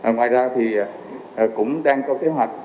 ngoài ra thì cũng đang có kế hoạch